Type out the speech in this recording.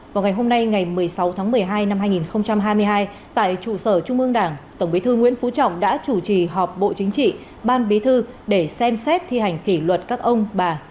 vào ngày hôm nay ngày một mươi sáu tháng một mươi hai năm hai nghìn hai mươi hai tại trụ sở trung ương đảng tổng bí thư nguyễn phú trọng đã chủ trì họp bộ chính trị ban bí thư để xem xét thi hành kỷ luật các ông bà